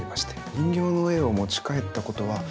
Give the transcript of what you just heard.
人形の絵を持ち帰ったことはないですか？